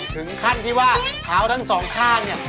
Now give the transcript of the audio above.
ถึงขั้นที่ว่าเท้าทั้งสองข้างเนี่ย